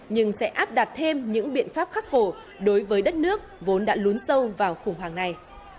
nhưng sẽ áp đặt thêm những biện pháp khắc khổ đối với đất nước vốn đã lún sâu vào khủng hoảng này